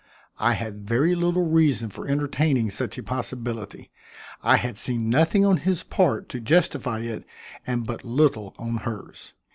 I had very little reason for entertaining such a possibility. I had seen nothing on his part to justify it and but little on hers.